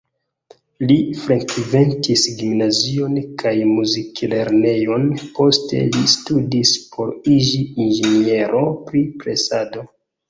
Li frekventis gimnazion kaj muziklernejon, poste li studis por iĝi inĝeniero pri presado.